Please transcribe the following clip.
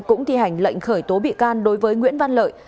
cũng thi hành lệnh khởi tố bị can đối với nguyễn văn lợi